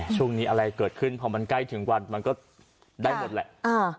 ช่วงนี้อะไรเกิดขึ้นพอมันใกล้ถึงวันมันก็ได้หมดแหละ